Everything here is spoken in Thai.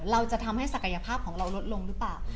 เราจะทำให้ศักยภาพของเราลดลงหรือเปล่า